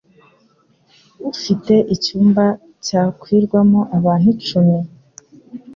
Ufite icyumba cyakwirwamo abantu icumi?